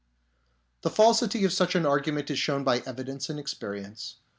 The falsity of such an argument is shown by evidence and experience.